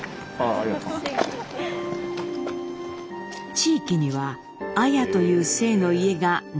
地域には綾という姓の家が何軒もあります。